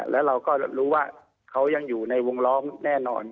แล้วเราก็รู้ว่าเขายังอยู่ในวงล้อมแน่นอน